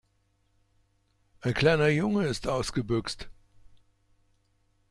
Ein kleiner Junge ist ausgebüxt.